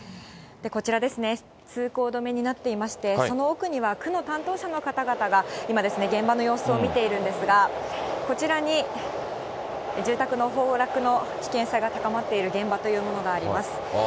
こちらですね、通行止めになっていまして、その奥には、区の担当者の方々が、今ですね、現場の様子を見ているんですが、こちらに住宅の崩落の危険性が高まっている現場というものがあります。